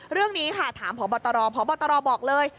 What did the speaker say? เรื่องนี้ค่ะถามพบตรพบตรบอกเลย